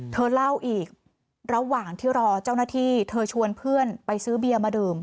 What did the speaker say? เธอเล่าอีกระหว่างที่รอเจ้าหน้าที่เธอชวนเพื่อนไปซื้อเบียร์มาดื่ม